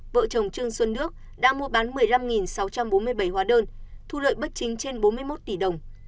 vợ chồng trương xuân nước đã mua bán một mươi năm sáu trăm bốn mươi bảy hóa đơn thu lợi bất chính trên bốn mươi một tỷ đồng